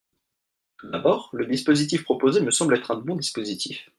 Tout d’abord, le dispositif proposé me semble être un bon dispositif.